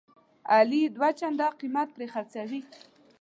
علي یې دوه چنده قیمت پرې خرڅوي.